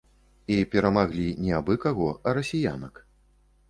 І перамаглі не абы-каго, а расіянак.